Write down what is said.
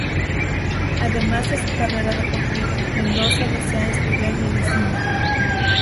Además de su carrera deportiva, Mendoza desea estudiar medicina.